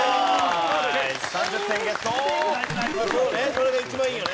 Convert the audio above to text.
それが一番いいよね。